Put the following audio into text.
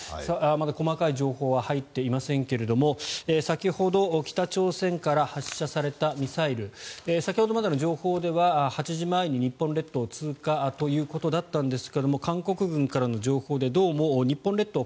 まだ細かい情報は入っていませんが先ほど、北朝鮮から発射されたミサイル先ほどまでの情報では８時前に日本列島通過ということだったんですが韓国軍からの情報でどうも日本列島